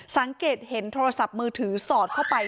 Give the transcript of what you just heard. สังเกตเห็นโทรศัพท์มือถือสอดเข้าไป